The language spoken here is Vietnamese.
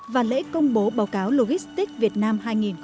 và lễ công bố báo cáo logistics việt nam hai nghìn hai mươi